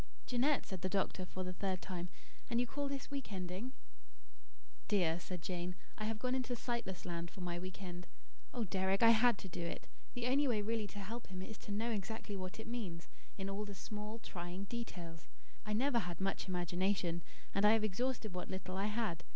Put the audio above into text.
"Jeanette!" said the doctor, for the third time. "And you call this week ending?" "Dear," said Jane, "I have gone into Sightless Land for my week end. Oh, Deryck, I had to do it. The only way really to help him is to know exactly what it means, in all the small, trying details. I never had much imagination, and I have exhausted what little I had.